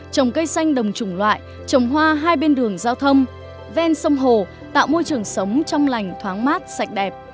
trồng cây xanh đồng trùng loại trồng hoa hai bên đường giao thông ven sông hồ tạo môi trường sống trong lành thoáng mát sạch đẹp